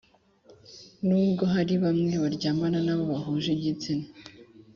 Nubwo hari bamwe baryamana n abo bahuje igitsina